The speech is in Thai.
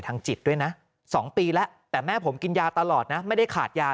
จิตด้วยนะ๒ปีแล้วแต่แม่ผมกินยาตลอดนะไม่ได้ขาดยา